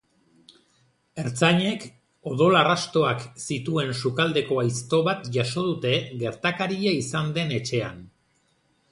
Ertzainek odol arrastoak zituen sukaldeko aizto bat jaso dute gertakaria izan den etxean.